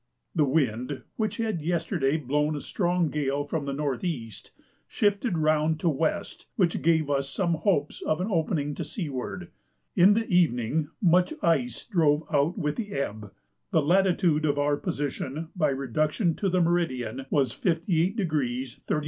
The wind, which had yesterday blown a strong gale from the N.E., shifted round to W., which gave us some hopes of an opening to seaward. In the evening much ice drove out with the ebb. The latitude of our position by reduction to the meridian was 58° 31' N.